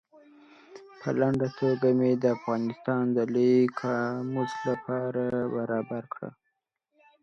په لنډه توګه مې د افغانستان د لوی قاموس له پاره برابره کړه.